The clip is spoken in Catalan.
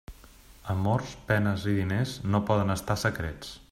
Amors, penes i diners, no poden estar secrets.